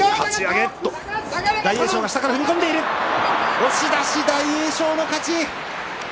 押し出し、大栄翔の勝ち。